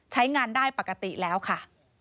ใช้งานได้ปกติแล้วค่ะ